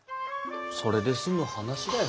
それで済む話だよ。